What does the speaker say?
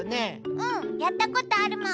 うんやったことあるもん。